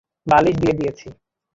বালিশ দিয়ে দিয়েছি।